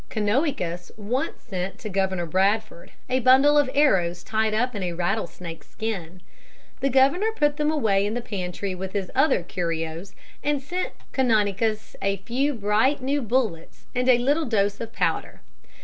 Canonicus once sent to Governor Bradford a bundle of arrows tied up in a rattlesnake's skin. The Governor put them away in the pantry with his other curios, and sent Canonicus a few bright new bullets and a little dose of powder.